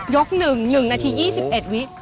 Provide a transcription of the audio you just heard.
ยกหนึ่งหนึ่งนาทียี่สิบเอ็ดวิ